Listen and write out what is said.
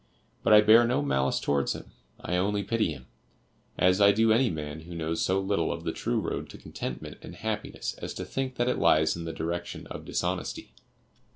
But I bear no malice towards him; I only pity him, as I do any man who knows so little of the true road to contentment and happiness as to think that it lies in the direction of dishonesty.